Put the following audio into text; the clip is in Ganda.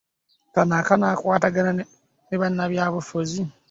Kano akanaakwatagana ne bannabyabufuzi